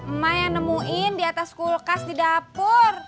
emang yang nemuin diatas kulkas di dapur